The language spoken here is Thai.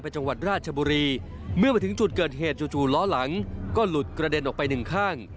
จังหวัดราชบุรีเมื่อมาถึงจุดเกิดเหตุจู่ล้อหลังก็หลุดกระเด็นออกไปหนึ่งข้าง